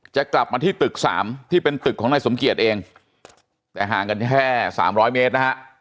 จะกลับมาที่ตึกสามที่เป็นตึกของนายสมเกียจเองแต่ห่างกันแค่สามร้อยเมตรนะฮะ